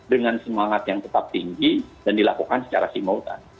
dengan semangat yang tetap tinggi dan dilakukan secara simultan